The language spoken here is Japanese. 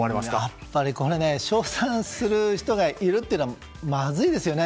やっぱり、これ称賛する人がいるのはまずいですよね。